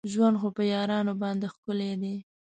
ژوند خو په یارانو باندې ښکلی دی.